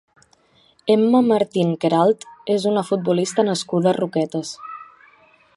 Emma Martín Queralt és una futbolista nascuda a Roquetes.